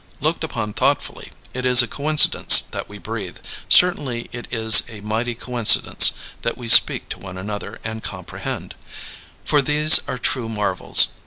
Looked upon thoughtfully, it is a coincidence that we breathe; certainly it is a mighty coincidence that we speak to one another and comprehend; for these are true marvels.